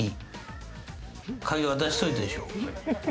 鍵渡しといたでしょ？